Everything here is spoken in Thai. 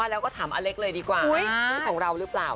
ว่าแล้วก็ถามอเล็กเลยดีกว่านี่ของเรารึเปล่า